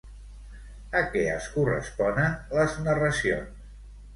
A què es corresponen les narracions?